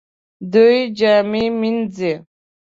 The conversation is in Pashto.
دوی جامې مینځي